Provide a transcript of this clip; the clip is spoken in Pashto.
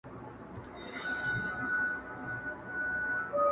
پای لا هم خلاص پاته کيږي..